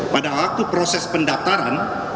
pada waktu proses pendaftaran